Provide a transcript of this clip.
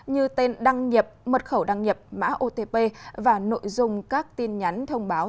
như tên đăng nhập mật khẩu đăng nhập mã otp và nội dung các tin nhắn thông báo